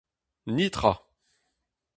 Netra !